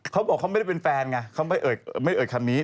เขาบอกเขาไม่ได้เป็นแฟนไงเขาไม่เอ่ยคำนี้